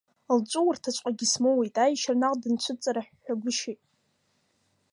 Лҵәуарҭаҵәҟьагьы смоуит, аиашьара наҟ дынцәыҵарыҳәҳәагәышьеит.